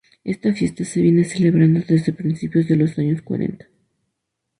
Esta fiesta se viene celebrando desde principios de los años cuarenta.